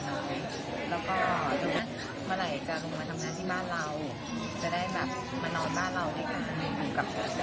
แล้วก็เมื่อไหร่จะลงมาทำงานที่บ้านเราจะได้มานอนบ้านเราด้วยกันทำงานอยู่กับพ่อ